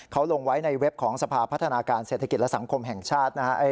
เขาลงไว้ในเว็บของสภาพัฒนาการเศรษฐกิจและสังคมแห่งชาตินะครับ